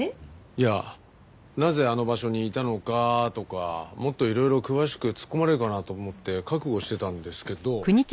いやなぜあの場所にいたのかとかもっといろいろ詳しく突っ込まれるかなと思って覚悟してたんですけど